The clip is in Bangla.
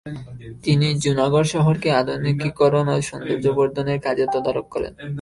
তিনি জুনাগড় শহরকে আধুনিকীকরণ ও সৌন্দর্য্যবর্ধনের কাজে তদারক করেন।